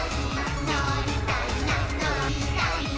「のりたいなのりたいな」